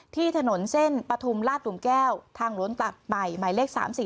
ที่ถนนเส้นปฐุมราชหลุมแก้วทางล้วนตัดใหม่หมายเลข๓๔